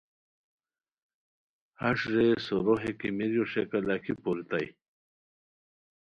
ہݰ رے سورو ہے کیمریو ݰیکہ لاکھی پوریتائے